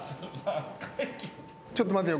ちょっと待てよ。